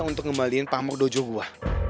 untuk ngembalikan pamuk dojo gua